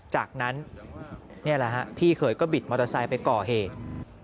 จากนั้นนี่แหละฮะพี่เขยก็บิดมอเตอร์ไซค์ไปก่อเหตุ